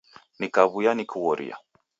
Nikaw'uya nikughoria.